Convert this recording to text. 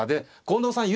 近藤さん